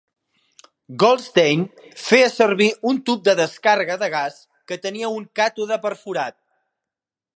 Goldstein feia servir un tub de descàrrega de gas que tenia un càtode perforat.